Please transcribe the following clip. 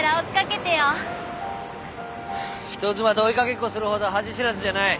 人妻と追い掛けっこするほど恥知らずじゃない。